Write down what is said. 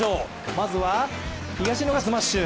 まずは東野がスマッシュ。